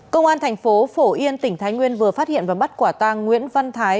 công an thành phố phổ yên tỉnh thái nguyên vừa phát hiện và bắt quả tang nguyễn văn thái